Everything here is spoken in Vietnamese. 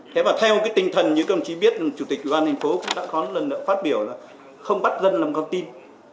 thế và theo cái tinh thần như công chí biết chủ tịch quan hệ phố cũng đã có lần đã phát biểu là không bắt dân làm con tin